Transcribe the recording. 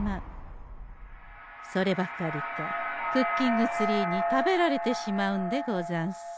そればかりかクッキングツリーに食べられてしまうんでござんす。